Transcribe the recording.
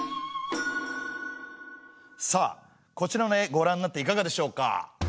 さあこちらの絵ごらんになっていかがでしょうか？